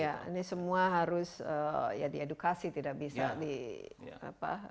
ya ini semua harus ya diedukasi tidak bisa di apa